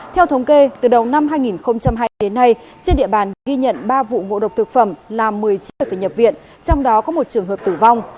theo thống kê từ đầu năm hai nghìn hai đến nay trên địa bàn ghi nhận ba vụ ngộ độc thực phẩm làm một mươi chín phải nhập viện trong đó có một trường hợp tử vong